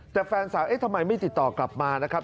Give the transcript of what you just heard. แต่แฟนสาวเอ๊ะทำไมไม่ติดต่อกลับมานะครับ